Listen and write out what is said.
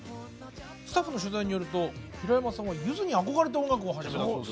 スタッフの取材によると平山さんはゆずに憧れて音楽を始めたと。